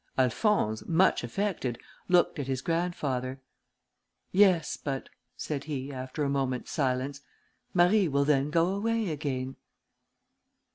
Alphonse, much affected, looked at his grandfather, "Yes, but," said he, after a moment's silence, "Marie will then go away again."